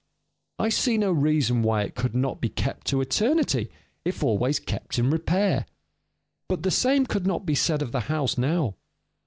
I see no reason why it could not be kept to eternity if always kept in repair." But the same could not be said of the house now.